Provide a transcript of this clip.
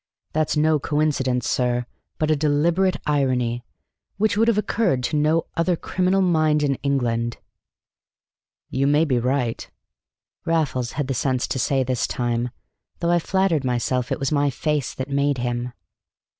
That's no coincidence, sir, but a deliberate irony, which would have occurred to no other criminal mind in England." "You may be right," Raffles had the sense to say this time, though I flattered myself it was my face that made him.